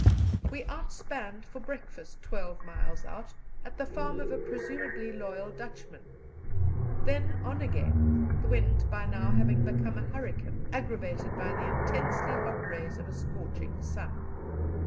We outspanned for breakfast twelve miles out, at the farm of a presumably loyal Dutchman; then on again, the wind by now having become a hurricane, aggravated by the intensely hot rays of a scorching sun.